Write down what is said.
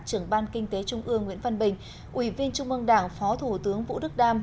trưởng ban kinh tế trung ương nguyễn văn bình ủy viên trung ương đảng phó thủ tướng vũ đức đam